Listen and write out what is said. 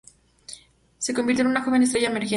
Se convirtió en una joven estrella emergente.